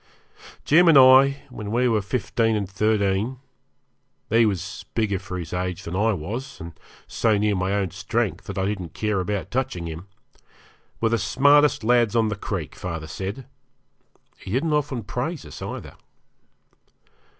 Jim and I, when we were fifteen and thirteen he was bigger for his age than I was, and so near my own strength that I didn't care about touching him were the smartest lads on the creek, father said he didn't often praise us, either.